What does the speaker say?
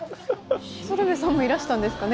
鶴瓶さんもいらしたんですかね